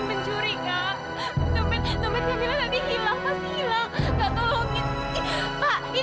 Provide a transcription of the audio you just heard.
kenapa dia memanggil alena dengan panggilan livi